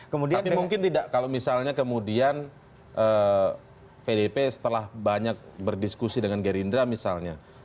tapi mungkin tidak kalau misalnya kemudian pdib setelah banyak berdiskusi dengan geri indra misalnya